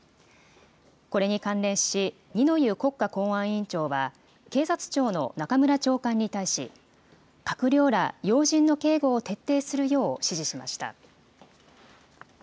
これに関連し、二之湯国家公安委員長は、警察庁のなかむら長官に対し、閣僚ら要人の警護を徹底するよう指示しました。